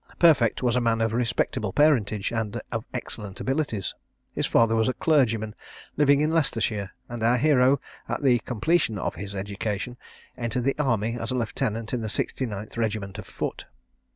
Perfect was a man of respectable parentage, and of excellent abilities. His father was a clergyman living in Leicestershire, and our hero, at the completion of his education, entered the army as a lieutenant in the 69th regiment of foot.